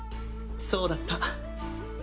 そうだった。